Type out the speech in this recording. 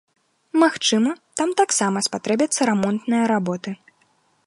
Магчыма, там таксама спатрэбяцца рамонтныя работы.